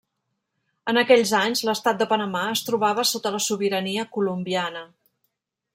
En aquells anys l'Estat de Panamà es trobava sota la sobirania colombiana.